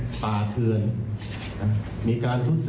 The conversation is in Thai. ผู้บังคับการตำรวจบูธรจังหวัดเพชรบูนบอกว่าจากการสอบสวนนะครับ